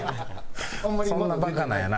そんなバカなやな。